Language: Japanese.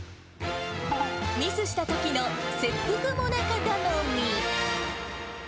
ミスしたときの切腹最中頼み。